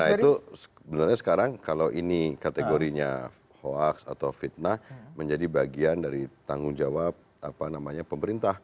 oleh karena itu sebenarnya sekarang kalau ini kategorinya hoax atau fitnah menjadi bagian dari tanggung jawab apa namanya pemerintah